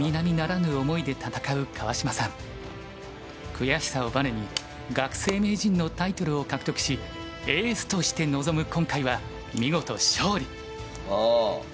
悔しさをバネに学生名人のタイトルを獲得しエースとして臨む今回は見事勝利！